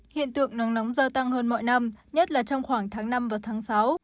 hiện tượng nắng nóng gia tăng hơn mọi năm nhất là trong khoảng tháng năm và tháng sáu